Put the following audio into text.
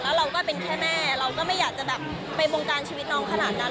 แล้วเราก็เป็นแค่แม่เราก็ไม่อยากจะแบบไปวงการชีวิตน้องขนาดนั้น